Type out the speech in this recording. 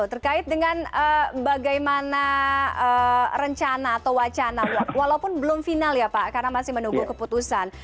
terkait dengan bagaimana rencana atau wacana walaupun belum final ya pak karena masih menunggu keputusan